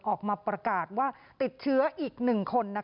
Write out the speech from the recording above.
ออกมาประกาศว่าติดเชื้ออีก๑คน